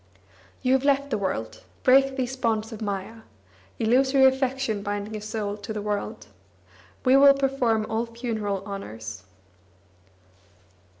You have left the world; break these bonds of maya (Illusory affection binding a soul to the world). We will perform all funeral honours."